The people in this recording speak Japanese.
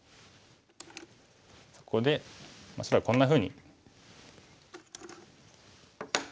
そこで白はこんなふうに。